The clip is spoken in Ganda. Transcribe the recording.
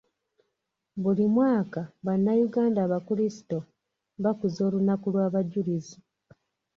Buli mwaka bannayuganda abakrisito bakuza olunaku lw'abajulizi.